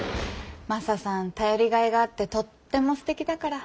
マサさん頼りがいがあってとってもすてきだから。